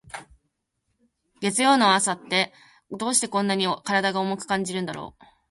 月曜日の朝って、どうしてこんなに体が重く感じるんだろう。